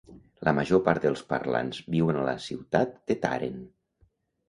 La major part dels parlants viuen a la ciutat de Tàrent.